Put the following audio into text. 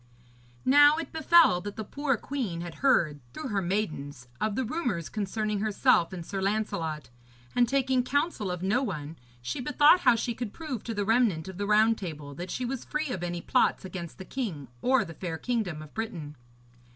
Now it befell that the poor queen had heard, through her maidens, of the rumours concerning herself and Sir Lancelot, and, taking counsel of no one, she bethought how she could prove to the remnant of the Round Table that she was free of any plots against the king or the fair kingdom of Britain.